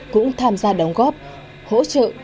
cũng tham gia đóng góp hỗ trợ